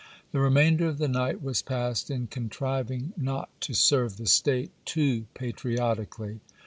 The remainder of the night was passed in contriving not to serve the state too patriotically.